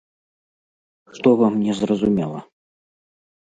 Што вам не зразумела?